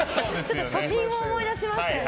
初心を思い出しましたね。